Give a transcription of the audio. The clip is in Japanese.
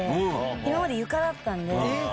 今まで床だったんで。